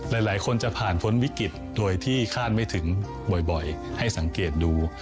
หลายคนจะผ่านพ้นวิกฤตโดยที่คาดไม่ถึงบ่อยให้สังเกตดู